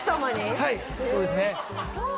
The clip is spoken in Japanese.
はいそうですね